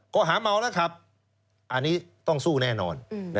ก็หาเมาแล้วครับอันนี้ต้องสู้แน่นอน